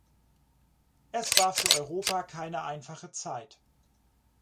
Es war für Europa keine einfache Zeit.